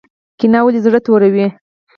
کینه ولې زړه توروي؟